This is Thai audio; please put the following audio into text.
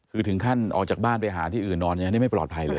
คือถึงขั้นออกจากบ้านไปหาที่อื่นนอนอย่างนี้ไม่ปลอดภัยเลย